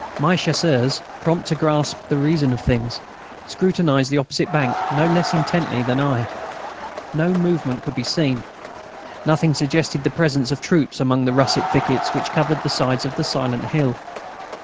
My Chasseurs, prompt to grasp the reason of things, scrutinised the opposite bank no less intently than I. No movement could be seen; nothing suggested the presence of troops among the russet thickets which covered the sides of the silent hill.